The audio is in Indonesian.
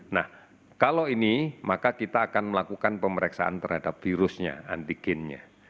nah kalau ini maka kita akan melakukan pemeriksaan terhadap virusnya antigennya